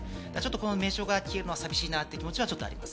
この名称が消えるのは寂しいなという気持ちはあります。